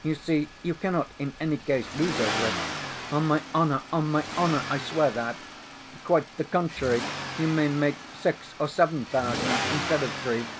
You see, you cannot, in any case, lose over it. On my honor, my honor, I swear that. Quite the contrary, you may make six or seven thousand instead of three."